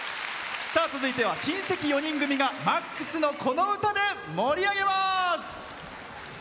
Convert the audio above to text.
続いては親戚４人組がＭＡＸのこの歌で盛り上げます。